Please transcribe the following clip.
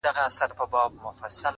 چي كله مخ ښكاره كړي ماته ځېرسي اې ه